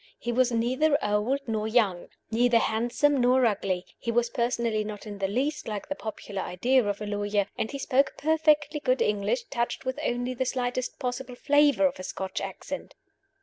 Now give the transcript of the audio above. He was neither old nor young, neither handsome nor ugly; he was personally not in the least like the popular idea of a lawyer; and he spoke perfectly good English, touched with only the slightest possible flavor of a Scotch accent.